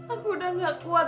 aku udah gak kuat